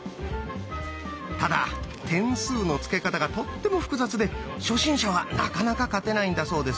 ただ点数の付け方がとっても複雑で初心者はなかなか勝てないんだそうです。